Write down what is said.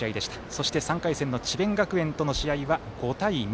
そして３回戦の智弁学園との試合は５対２。